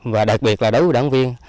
và đặc biệt là đối với đảng viên